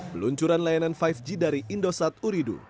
peluncuran layanan lima g dari indosat uridu